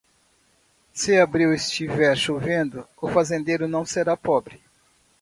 Se abril estiver chovendo, o fazendeiro não será pobre.